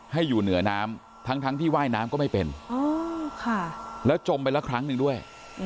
ให้อยู่เหนือน้ำทั้งที่ว่ายน้ำก็ไม่เป็นแล้วจมไปละครั้งหนึ่งด้วย